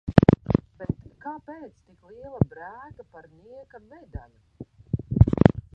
Bet kāpēc tik liela brēka par nieka medaļu?